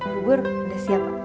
bubur udah siap pak